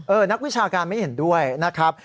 นักวิชาการไม่เห็นด้วยนะครับ